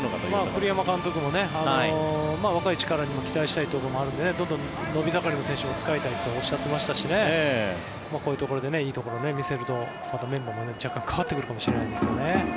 栗山監督も若い力にも期待したいところもあるのでねどんどん伸び盛りの選手を使いたいとおっしゃっていましたしこういうところでいいところを見せるとメンバーも変わってくるかもしれないですね。